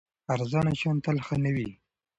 ارزانه شیان تل ښه نه وي.